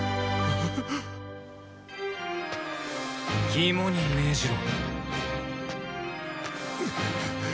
肝に銘じろ。